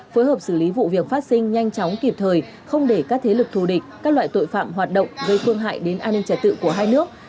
phối hợp xử lý vụ việc phát sinh nhanh chóng kịp thời không để các thế lực thù địch các loại tội phạm hoạt động gây phương hại đến an ninh trả tự của hai nước